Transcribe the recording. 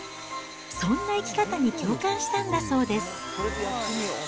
そんな生き方に共感したんだそうです。